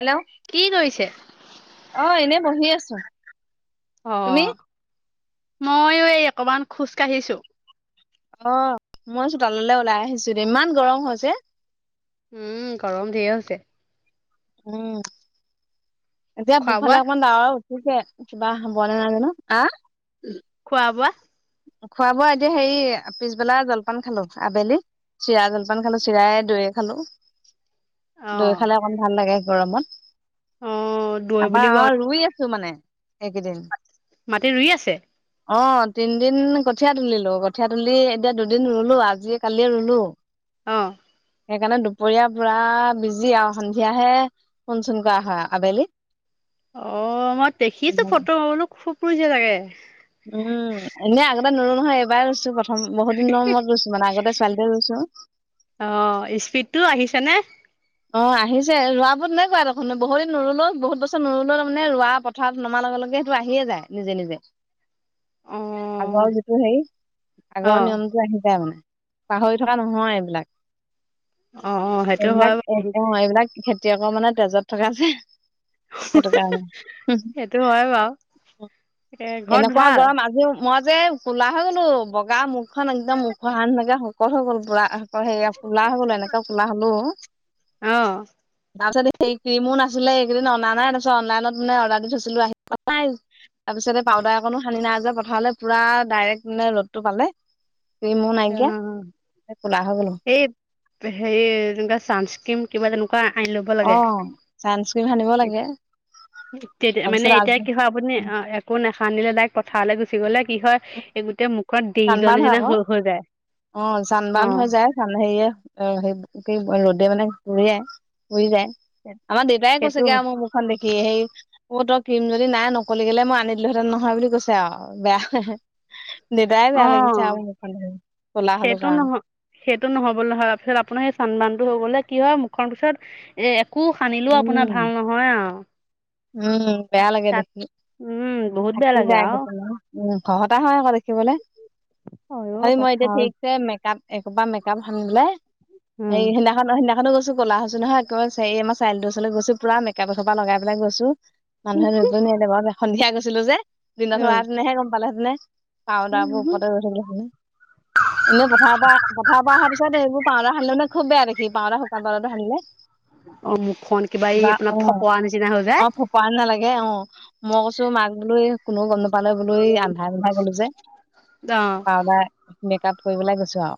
Hello কি কৰিছে? অ' এনে বহি আছোঁ। অ' মইয়ো এই অকমান খোজ কাঢ়িছোঁ। অ' মই চোতাললৈ ওলাই আহিছোঁ। ইমান গৰম হৈছে। উম, গৰম ধেৰ হৈছে। উম। এতিয়া খোৱা টোৰফালে বোৱা? অকমান ডাৱৰ উঠিছে কিবা হ'ব নে নাই জানোঁ আহ খোৱা বোৱা। খোৱা বোৱা এতিয়া হেৰি পিছবেলা জলপান খালোঁ, আবেলি চিৰা জলপান খালোঁ চিৰাই, দৈ দৈ খালোঁ, অ দৈ খালে অকমান ভাল লাগে গৰমত। অ' দৈ বুলি কওঁতে তোৰ মানে এইকেইদিন। মাট, মাটি ৰুই আছে? অ তিনিদিন কঠীয়া তুলিলো কঠীয়াা তুলি এতিয়া দুদিন ৰুলো আজি কালিয় ৰুলো অ সেইকাৰণে দুপৰীয়া পুৰা বিজি আৰু সন্ধিয়াহে ফোন চোন কৰা হয় আবেলি। অ মই দেখিছো ফটো খাবনো খুব ই যে লাগে। উম এনেই আগতে নুৰো নহয় এবাৰ ছো বহুত দিনৰ মুৰত ৰত ৰুইছো মানে আগতে চালি ৰুইছো অ স্পীডতটো আহিছে নে? অ আহিছে ৰোৱ বাবোৰত নকুৱা দেখোন বহু দিন নোলো বহুত বছৰ নৰুলো তাৰ মে ৰোৱা পথাৰত নমা লগে লগ সেইটো আহিয়ে যায় নিজে নিজে। অ আগৰ যিটো হেৰি অ আগৰ নিয়মটো আহি যায় মানে। পাহৰি থকা নহয় এইবিলাক। অ' - অ' সেইটো এইবিলাক হয় অ' বাৰু এইবিলাক খেতিয়কৰ মানে তেজত থকা যে। সেইটো কাৰণে। সেইটো হয় বাৰু এ ঘৰত এনেকুৱা ভাল? গৰম আজিও মই যে কলা হৈ গ'লো। বগা মুখখন একদম উখহানেকে শুকল হৈ গ'ল পুৰা। আকৌ সেয়া কোলা হৈ গ'লো, এনেকা কোলা হ'লো অ'। তাৰপিছত সেই ক্ৰীমো নাছিলে। এইকেদিন অনা নাই। তাৰপিছত অনলাইনত মানে অৰ্ডাৰ দি থৈছিলো, আহি পোৱা নাই। তাৰপিছত এই পাউদাৰ অকণো সানি নাই। আজি পথাৰলে পুৰা ডাইৰেক্ট মানে ৰ'দটো পালে। ক্ৰিমো অ নাইকিয়া, এ কোলা হৈ গ'লোঁ। এই হেৰি তেনেকুৱা চানস্ক্ৰীম, কিবা তেনেকুৱা আনি লব লাগে। স্ক্ৰিম সানিব লাগে। তেতিয়া- মানে এতিয়া তাৰপিছত কি হয়, আপুনি অ' একো নেসানিলে ডাইৰেক পথাৰলৈ গুচি গ'লে কি হয় এই গোটেই মুখত দেইজ চানবাৰ্ণ হয় নিচিনা আকৌ হ অ' চানবান হৈ যায়। চান হেৰিয়ে অ'- সেই কি মই ৰ'দে মানে পুৰে, পুৰি যায়। আমাৰ দেউতাই সেইটো কৈছেগে আৰু মই মুখখন দেখি সেই অ' তই ক্ৰীম যদি নাই, নকলি খেলে, মই আনি দিলোহেঁতেন নহয় বুলি কৈছে আৰু বেয়া দেদাই অ বেয়া লাগিছে আও [unintelligible] ক'লা হলো সেইটো কাৰণে। নহয় সেইটো নহবলৈ হ পিছত আপোনাৰ সেই চন্দনটো হৈ গ'লে কি হয় মুখৰ পিছত এ একো সানিলো উম আপোনাৰ ভাল নহয় আও। উম বেয়া লাগে দেখি, বহুত বেয়া থাকি লাগে যায় আৰু [unintelligible] সেই উম সহতা হ দেখিবলে অ তথাপি মই এতিয়া পথাৰ ঠিকছে মেকআপ একোপা মেকাপ [unintelligible] উম সেই সিদিনাখন সেইদিনাখনো গৈছ টো ক'লা হৈছো নহয় একবা এই আম চাৰিআলি ওচলে গৈছো পোৰা মেকাপ এসোপা লগাই পেলাই গৈছো। মানুহে ধৰিব নোৱাৰিলে বাও সন্ধিয়া গৈছিলো যে দিন অ হোৱা হেতেনেহে গম পালেহেতেনে। পাউদাবো ওপতে [unintelligible] এনেই পথাৰৰ পৰা পথাৰৰ পৰা অহাৰ পিছত এইবোৰ পাউদা সানিলে মানে খুব বেয়া দেখি পাউদা শুকান পাউদাটো সানিলে। [inaudible] অ মুখখন কিবা এই আপোনাৰ ফপোৱা নিচিনা হৈ যায় অ ফপোৱা নিচিনা লাগে অ মই কৈছো মাক বো কোননেও গম নোপ দোকানলৈ গলৈ আন্ধাই বন্ধাই গলো যে অ পাউদাৰ মেক আপ কৰিব পেলাই গৈছো আও।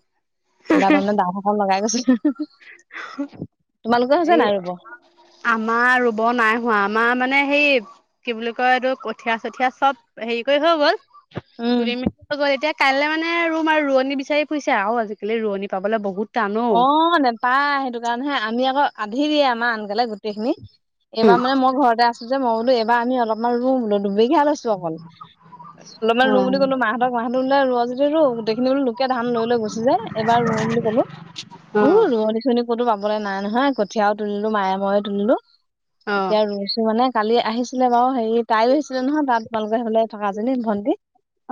ইবা তাৰমানে দাঁতখন লগাই গৈছে। হৈছে এ নাই ৰুব আমাৰ ৰুব নাই হোৱা আমাৰ মানে সেই কি বুলি কয় এইটোটো কঠিয়া চঠীয়া চব হেৰি কৰি হৈ গ'ল। উম [unintelligible] কাইলে মানে ৰুম আৰু ৰোৱনী বিচাৰি ফুৰিছে আৰু আজিকালি ৰোৱনী পাবলে বহুত অ নেপায় সেইটো কাৰণেহে আমি আক আধি দিয়ে আমাৰ আনকালে গোটেইখিনি এইবাৰ মানে মই ঘৰতে আছো যে মই বোলো এইবাৰ আমি অলপমান ৰুম দুবিঘা লৈছো অকল। অলপমান ৰোওঁ বুলি কলো মাহঁতক মাহঁতে ৰোলেই ৰোৱ যদি ৰো গোটেইখিনি লোকে ধান লৈ লৈ গুচি যে এইবাৰ অ বুলি ক'লো। উ অ', ৰোৱনী-চোৱনী ক'তো পাবলৈ নাই নহয়। কঠীয়াও তুলিলো, মায়ে ময়ে তুলিলো। অ', এতিয়া ৰুইছো মানে কালি আহিছিলে বাৰু হেৰি তাইয়ো আহিছিলে নহয় তাত তোমালোকৰ সেইফালে থকা জনী ভণ্টি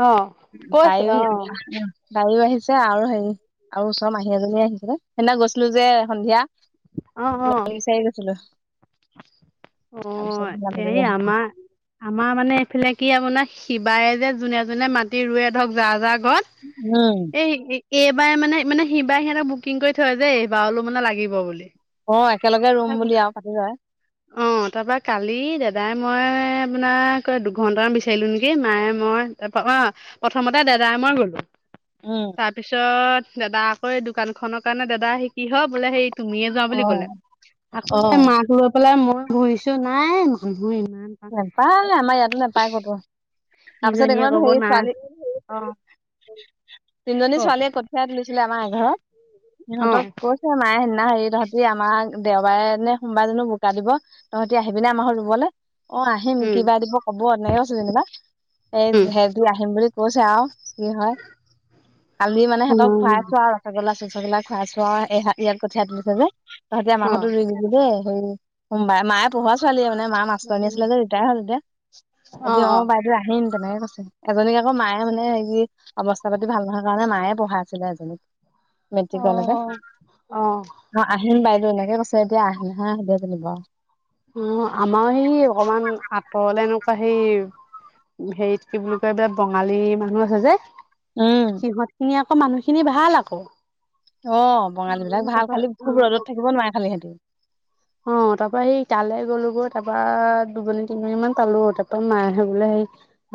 অ', কৈছো তাইও অ', আহি, তাইও আহি ছে আৰু হেৰি আৰু ওচৰৰ মাহী এজনী আহিছিলে। সেইদিনা গৈছিলো যে সন্ধিয়া। অ', অ', [unintelligible] বিছাৰি গৈছিলো। অ তাৰপিছত মানুহজনী হেৰি আহি আমাৰ আমাৰ মানে এইফালে কি আপোনাৰ সিবায়ে যে যোনে যোনে মাটি ৰুৱে ধৰক যাৰ যাৰ উম ঘৰত এই এইবাৰে মানে মানে সিবাৰে সিহঁতক বুকিং কৰি থয় যে এইবাৰলৈও মানে লাগিব বুলি। অ একেলগে ৰুম বুলি আৰু পাতি লয় অ' তাৰপা কালি দেদায়ে মই আপোনাক ক দুঘন্টামান বিচাৰিলো নেকি মায়ে মই অ' প্ৰথমতে দেদায়ে উম তাৰপিছত দেদা আকৌ এই দোকান খনৰ কাৰণ দেদা আহি কিহল বোলে সেই তুমিয়ে যোৱা অ বুলি কলে আকৌ অ মাক লৈ পেলাই মই ঘূৰিছো নাই ঘ ইমান পা নেপায় আমাৰ ইয়াতো নেপায় কতো তাৰপিছত ইজনীয়ে এইত ক'ব সেই নাই ছোৱালী অ' তিনিজনী কওক ছোৱালীয়ে কঠিয়াই তুলিছিলে আমাৰ এঘৰত অ', সিহঁতক কৈছে মায়ে নাই হেৰি তহতি আমাক দেওবাৰে নে সোমবাৰ জানো বোকা দিব তহঁতি আহিবিনে আমাৰ ঘৰত ৰুবলে অ' আহিম উম, কিবা দিব কব এনেকে ক'ছে যেনিবা এই উম, হেতি আহিম বুলি ক'ছে আউ কি হয় কালি মানে হেঁতক খুৱাইছো আউ ৰচগোলা চচগোলা চচগোলি খোৱাচো আউ ইয়াত কঠিয়া তুলিছে যে তহঁতে আম অ', ঘতো অ', ৰুই দিবি দেই হেয়ি সোমবাই মায়ে পঢ়োৱা ছোৱালীযে মানে মা মাষ্ট আছিলে যে ৰিটায়াৰ হ'ল এতিয়া এতিয়া অ' বাইদেউ আহিম তেনেকে এজনীক আকৌ মায়ে মানে হেৰি অৱস্থা পাতি ভাল নহয় কাৰণে মায়ে পঢ়া আছিলে এজনীক মেট্ৰিকলৈকে অ', অ', অ' আহিম বাইদ দেউ এনেকে কৈছে এতিয়া আহে নাহে সেহেতিহে জানিব আৰু অ' আমাৰ সেই অকমান আঁতৰলে এনেকুৱা সেই হেৰিত কি বুলি কয় এই বঙালী মানুহ আছে যে উম সিহঁত খিনি আকৌ মানুহ খিনি ভাল আকৌ অ', বঙালী বিলাক ভাল তাৰপা খালি অ খুব ৰ'দত থাকিব নোৱাৰে খালি সিহতি অ' তাৰ পৰা সেই তালে গ'লো গৈ তাপা দুজনী তিনজনী মান পালো তাপা মায়ে বোলে হে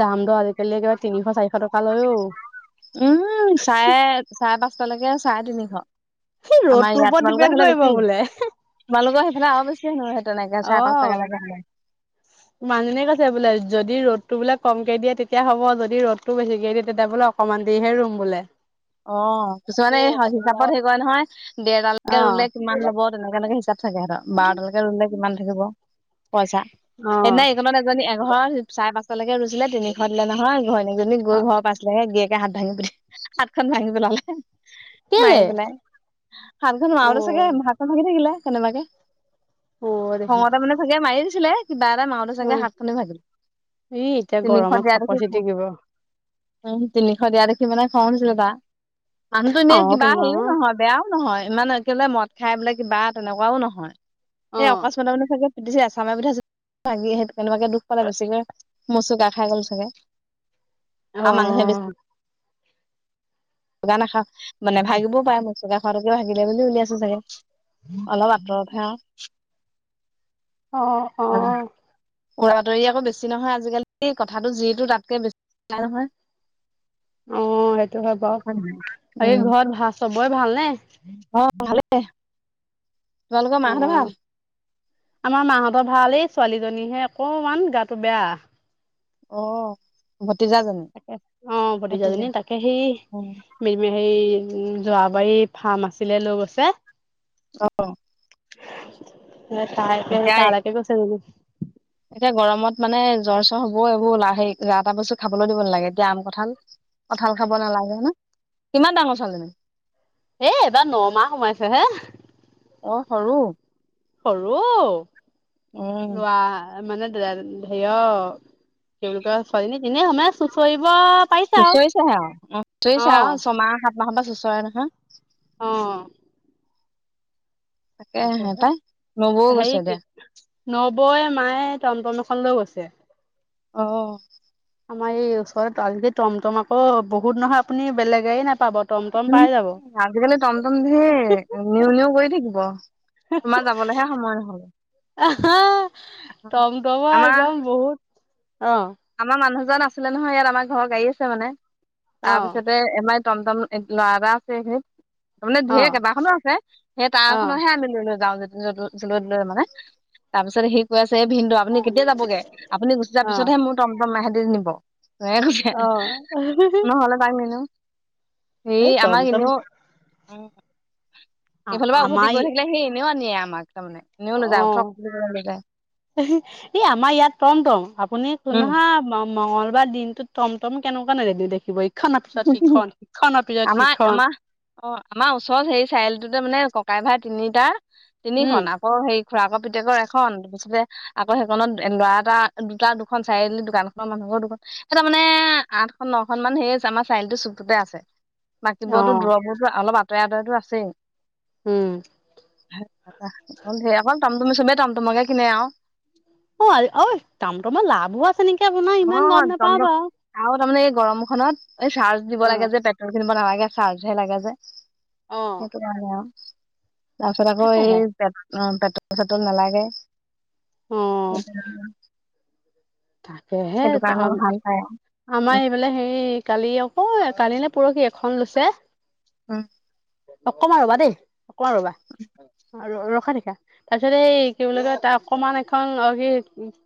দাম দৰ আ উম চাৰে চাৰে পাঁচ পাঁচালৈকে চাৰে তিনিশ সি আমাৰ ৰ'দটোৰ ইয়াত ওপৰত তোমালোকৰ ডিপেণ্ড হেফালে কৰিব বেছি বোলে তোমালোকৰ হেফালে আৰু বেছি হেনো সেই তেনেকে চাৰে পাঁচটালেকে হলে মানুহনীয়ে কৈছে বোলে যদি ৰ'দটো বোলে কমকে দিয়ে তেতিয়া হ'ব যদি ৰ'দটো বেছিকে দিয়ে তেতিয়া বোলে অকমান দিৰিহে ৰুম বোলে অ' কিছুমানে হিচাপত হেই কৰে নহয় অ দেওতালৈকে ৰুলে কিমান লব তেনেকুৱাকে হিচাপ থাকে হেঁত বাৰটালকে ৰুলে কিমান থাকিব পইচা অ সেইদিনা এইকণত এজনী এঘৰ চাৰে পাঁচটালৈকে ৰুইছিলে তিনিশ দিলে নহয় ঘৈনকজনী অ গৈ ঘৰ পাইছিলহে গীৰিয়েকটো হাত ভাঙি হাতখন ভাঙি পেলালে কেলে মাৰি পেলাই হাতখন অ মাওতে চাগে হাতখন ভাগি থাকিলে কেনেবাকে অ দেখি খঙতে মানে চাগে মাৰি দিছিলে কিবা এটা মাউতে অ চাগে হাতখনে ভাগিলো ই এতিয়া তিনিশ গৰমত দিয়া ফাপৰ দেখি খঙত ছিটিকিব উম তিনিশ দিয়া দেখি মানে খং উঠিছিলে তাৰ মানুহতো অ এনেই তো কিবা ন হেৰি নহয় বেয়া নহয় ইমান একেবাৰে মদ খাই বোলে কিবা তেনেকুৱাও নহয় অ এ অকশ্মাতে মানে চাগে পিটিছে ছাগে এচামাৰি পথাইছে লাগি সেইটো কেনেবাকে দুখ পালে বেছিকৈ মচুগা খাই গ'ল চাগে আৰু মানুহে বেছি অ চুগা নাখাওঁ মানে ভাগিবও পাৰে মই মুচুগা খোৱাওটোকে ভাগিলে বুলি উলিয়াইছে চাগে অলপ আঁতৰতহে আউ অ' অ' উৰাবাতৰি আকৌ বেছি নহয় আজিকালি কথাটো যিটো তাতকে বেছি শুনে নহয় অ', সেইটো হয় বাৰু নহয় বাক উম ঘৰত ভাত চবই ভালনে অ' ভালেই। তোমালোকৰ অ' মাহঁতৰ ভাল আমাৰ মাহঁতৰ ভাল এই ছোৱালীজনীহে অকমান গাটো বেয়া। অ' ভ [unintelligible] উম। উম, জৰাবাৰী ফাৰ্ম আছিলে লৈ গৈছে। অ ' ন তাই এতিয়া তালেকে গৈছে যেনিবা। এতিয়া গৰমত মানে জ্বৰ চ্বৰ হ'ব এইবোৰ যা তা বস্তু খাবলৈ দিব নালাগে। এতিয়া আম কঁঠাল কঁঠাল খাব নালাগে ন। কিমান ডাঙৰ ছোৱালীজনী? এ এবাৰ নমাহ সোমাইছে হে। অ সৰু। সৰু। উম লোৱা মানে হেয় তেওঁলোকৰ ছোৱালজনী তেনেই সমে চুঁচৰিব পাৰিছে আৰু চুচৰিচে হে আও। চুঁচৰিছে অ', আৰু ছমাহ সাত মাহৰ পৰা চুঁচৰে নহয়। অ' তাকেহে পাই [unintelligible] নবৌ গৈছে দিয়া নবৌয়ে মায়ে টমটম এখন লৈ গৈছে। অ ' আমাৰ এই ওচৰত আজিকালি টমটম আকৌ বহুত নহয় আপুনি বেলেগ গাড়ী নাপাব। টমটম পাই যাব। আজিকালি টমটম ধেই নিউ নিউ কৰি থাকিব। তোমাৰ যাবলৈহে সময় নহব টমটমৰ আমাৰ একদম বহুত অ', আমাৰ মানুহজন আছিলে নহয় ইয়াত আমাৰ ঘৰত গাড়ী আছে মানে অ', তাৰপিছতে এমাইত টম টম এ লৰা এটা আছে হেই। তাৰমানে ঢেৰ অ', কেইবাখনো আছে সেই অ', তাৰখনহে আমি লৈ লৈ যাওঁ যেনিবা য' য'লৈ ত'লৈ মানে। তাৰ পিছত সি কৈ আছে এ ভিনদেও আপুনি কেতিয়া যাবগে? আপুনি গুচি যোৱা অ', পিছতহে মোৰ টমটম ইহেতি নিব। অ', নহ'লে তাক নিনো হেৰি এই আমাক টমটম এনেও এইফালৰ পৰা উভতি আমাৰ গৈ থাকিলে সেই এনেও আনি আনে আমাক। তাৰমানে এনেও লৈ যায় উঠক অ' বুলি ক'লে লৈ যায় এই আমাৰ ইয়াত টম টম আপুনি উম শুনক মঙলবাৰৰ দিনটোত টমটম কেনেকুৱা ৰেলি দেখিব ইখনৰ পিছত সিখন সিখনৰ পিছত আমাৰ সিখন আমাৰ অ' আমাৰ ওচৰত হেৰি চাৰিআলিটোতে মানে ক ককাই ভাই তিনিটা উম তিনিখন আকৌ হেৰি খুৰাকৰ পিতেকৰ এখন তাৰপিছতে আকৌ সেইকনত ল'ৰা এটা দুটা দুখন চাৰিআলি দোকানখনৰ মানুহ ঘৰৰ দুখন সেই তাৰ মানে আঠ আঠখন নখন মান সেয়ে। আমাৰ চাৰিআলিটো চুকটোতে আছে অ বাকীবোৰতো দূৰবোৰতো অলপ আঁতৰে আঁতৰেতো আছেই। উম। অকল হেৰি টমটম চবেই টমটমকে কিনে আৰু। অ' অই টমটমত লাভো আছে নেকি আপোনাৰ ইমান গম নাপাওঁ বাৰু। গৰম খনত এই চাৰ্জ দিব অ লাগে যে পেট্ৰল কিনিব নালাগে চাৰ্জ হে লাগে যে। অ সেইটো কাৰনে আৰু। তাৰ পিছত আকৌ এই তাকেহে পে পেটল চেটল নালাগে। অ [inaudible] তাকেহে সেইটো ত কাৰণে আ ভাল পায় উম আমাৰ এইফালে হেৰি কালি অকৌ কালি নে প ' পৰহি এখন লৈছে। উ। অকণমান ৰবা দেই অকমান ৰবা। আৰু ৰখাই থেখা। তাৰপিছত এই কি বুলি কয় তাৰ অকমান এখন অ' কি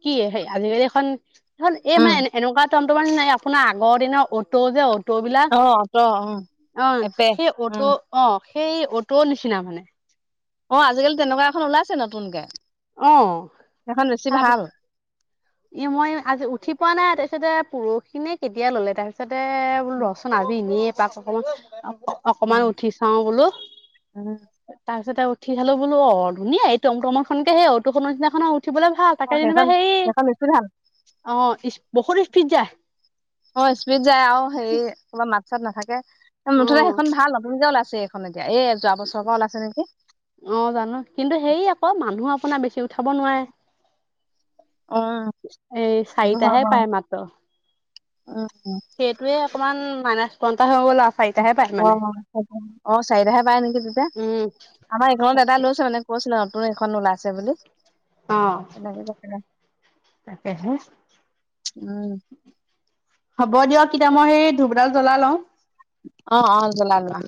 কি আজিকালি এই উম মানে এনেকুৱা তন্ত মানে আপোনাৰ আগৰ দিনৰ অটো যে অ টবিলা অ অট উম অ এপে সেই তটো উম অঁ সেই অটো নিচিনা মানে। অঁ আজিকালি তেনেকুৱা এখন ওলাইছে নতুনকে। অহ সেইখন বেছি তাৰ ভাল মই আজি উঠি পোৱা নাই। তাৰপিছতে পৰখি নে কেতিয়া ললে, তাৰপিছত দে বোলো উম ৰচোন আজি এনেয়ে পাক অকমান অকমান উঠি চাও বোলো। উম তাৰপিছতে উঠি চালো বোলো অ, ধুনীয়া এই টোম টোমৰখনকে, সেই অটোখনৰ নিচিনাখনত উঠিবলৈ ভাল। তাকে যেনিবা হেৰি কিধাল [unintelligible] ইচ বহু ইস্পিজ যায়। অ স্পীড যায় আৰু হেৰি কবা মাত চাত নাথাকে। অ', মুঠতে সেইখন ভাল। নতুন কে ওলাইছে এতিয়া এই যোৱা বছৰৰ পৰা ওলাইছে নেকি অ জানো। কিন্তু সেই আকৌ মানুহ শুনা বেছি উঠাব নোৱাৰে। অ এই চাৰিটাহে পায় মাত্ৰ। সেইটোৱে আহ অকমান মাইলাচ [unintelligible] অ অ চাৰিটাহে পায় নেকি তাতে? উম, আমাৰ এইখনত দাদাই লৈছে মানে। কৈছিলো নতুন অতো এখন ওলাইছে বুলি। এল ককৰা [unintelligible] তাকে হে হ'ব দিয়ক এতিয়া মই সেই ধূপডাল জ্বলা লওঁ। অ অ জ্জলা জ্জলা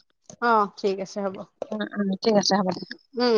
অ', ঠিক আছে হ'ব উম উম ঠিক আছে হ'ব দে। উম।